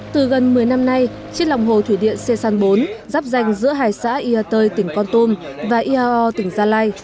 từ gần một mươi năm nay trên lòng hồ thủy điện xê san bốn giáp danh giữa hải xã yà tơi tỉnh con tôm và yà o tỉnh gia lai